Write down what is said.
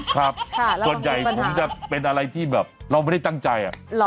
ครับส่วนใหญ่ผมจะเป็นอะไรที่แบบเราไม่ได้ตั้งใจ